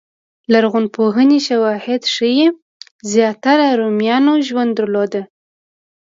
لرغونپوهنې شواهد ښيي زیاتره رومیانو ژوند درلود.